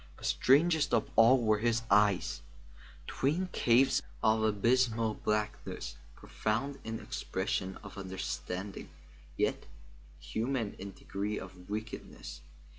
But strangest of all were his eyes; twin caves of abysmal blackness; profound in expression of understanding, yet inhuman in degree of wickedness.